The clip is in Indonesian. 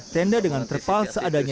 tenda dengan terpal seadanya